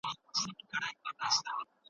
آیا ناکامي تر بریا ډېر درس ورکوي؟